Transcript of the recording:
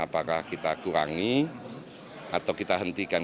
apakah kita kurangi atau kita hentikan